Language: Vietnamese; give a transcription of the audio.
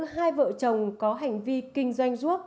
hai vợ chồng có hành vi kinh doanh ruốc